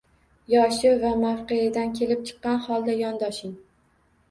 Yoshi va mavqe’dan kelib chiqqan holda yondoshing.